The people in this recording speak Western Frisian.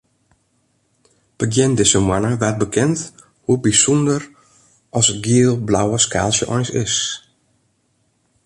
Begjin dizze moanne waard bekend hoe bysûnder as it giel-blauwe skaaltsje eins is.